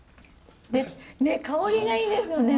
ねっ香りがいいですよね。